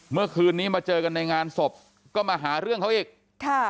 เมื่อคืนนี้มาเจอกันในงานศพก็มาหาเรื่องเขาอีกค่ะ